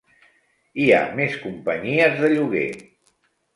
Hi ha més companyies de lloguer.